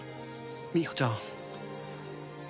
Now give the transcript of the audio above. みほちゃん。